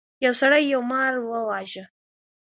یو سړي یو مار وواژه.